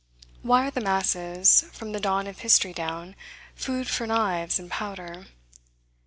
Why are the masses, from the dawn of history down, food for knives and powder?